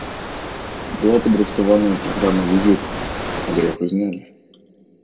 Была падрыхтаваная праграма візіту, але яго знялі.